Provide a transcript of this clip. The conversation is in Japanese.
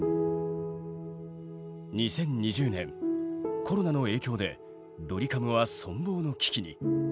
２０２０年コロナの影響でドリカムは存亡の危機に。